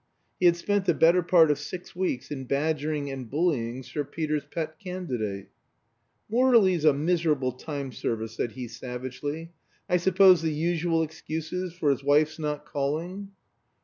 He had spent the better part of six weeks in badgering and bullying Sir Peter's pet candidate. "Morley's a miserable time server," said he savagely. "I suppose the usual excuses for his wife's not calling?"